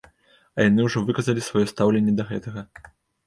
А яны ўжо выказалі сваё стаўленне да гэтага.